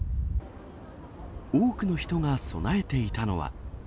多くの人が備えていたのは。